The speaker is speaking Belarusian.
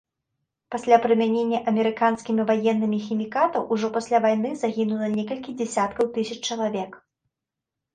Пасля прымянення амерыканскімі ваеннымі хімікатаў ўжо пасля вайны загінула некалькі дзесяткаў тысяч чалавек.